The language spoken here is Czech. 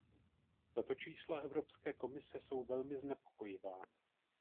Tato čísla Evropské komise jsou velmi znepokojivá.